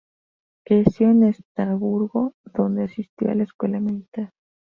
Creció en Estrasburgo, donde asistió a la escuela militar.